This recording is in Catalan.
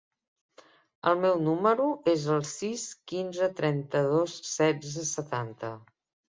El meu número es el sis, quinze, trenta-dos, setze, setanta.